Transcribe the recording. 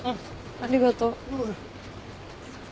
ありがとう。